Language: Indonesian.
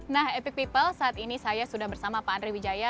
nah epic people saat ini saya sudah bersama pak andri wijaya